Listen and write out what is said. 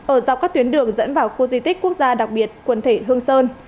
ở dọc các tuyến đường dẫn vào khu di tích quốc gia đặc biệt quần thể hương sơn